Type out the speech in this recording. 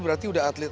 berarti sudah atlet